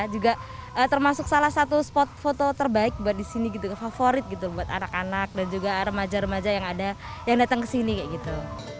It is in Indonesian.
juga termasuk salah satu spot foto terbaik buat di sini gitu favorit gitu buat anak anak dan juga remaja remaja yang ada yang datang ke sini kayak gitu